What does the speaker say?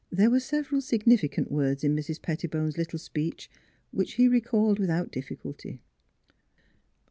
There were several significant words in Mrs. Petti bone's little speech which he recalled without difficulty.